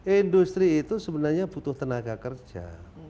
industri itu sebenarnya butuh tenaga kerja